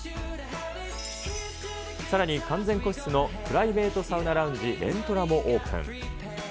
さらに完全個室のプライベートサウナラウンジ、レントラもオープン。